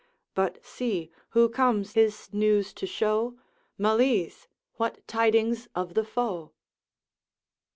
But see, who comes his news to show! Malise! what tidings of the foe?'